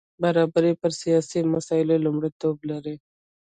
برابري پر سیاسي مسایلو لومړیتوب لري.